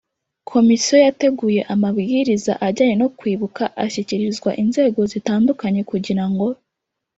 Komisiyo yateguye amabwiriza ajyanye no kwibuka ashyikirizwa inzego zitandukanye kugira ngo